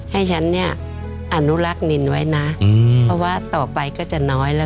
ให้ฉันเนี่ยอนุรักษ์นินไว้นะ